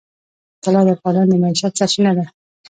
طلا د افغانانو د معیشت سرچینه ده.